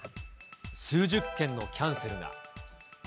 数十件のキャンセルが。